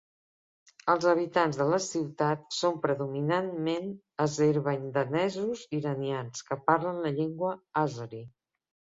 Els habitants de la ciutat són predominantment azerbaidjanesos iranians que parlen la llengua àzeri.